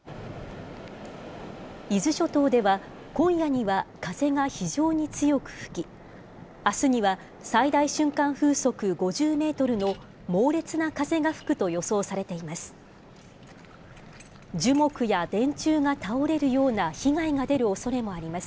伊豆諸島では、今夜には風が非常に強く吹き、あすには最大瞬間風速５０メートルの猛烈な風が吹くと予想されています。